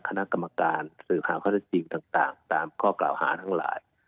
คณะกรรมการสืบหาข้อได้จริงต่างตามข้อกล่าวหาทั้งหลาย